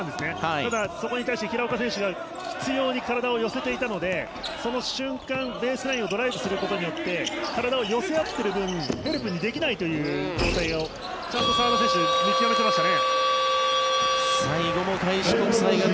ただ、そこに対して平岡選手が執ように体を寄せていたのでその瞬間、ベースラインをドライブすることによって体を寄せ合っている分ヘルプにできないという状態をちゃんと澤田選手見極めていましたね。